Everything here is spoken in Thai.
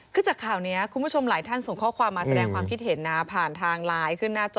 คือจากข่าวนี้คุณผู้ชมหลายท่านส่งข้อความมาแสดงความคิดเห็นนะผ่านทางไลน์ขึ้นหน้าจอ